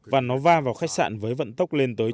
và nó va vào khách sạn với vận tốc lên tới